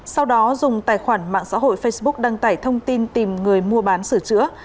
hội facebook đăng tải thông tin tìm người mua bán sửa chữa